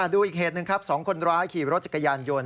ดูอีกเหตุหนึ่งครับสองคนร้ายขี่รถจักรยานยนต์